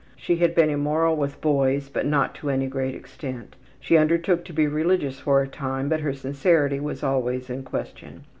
She had been immoral with boys, but not to any great extent. She undertook to be religious for a time, but her sincerity was always in question.